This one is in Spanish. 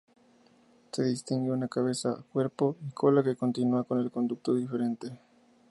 Se distingue una cabeza, cuerpo y cola que continúa con el conducto deferente.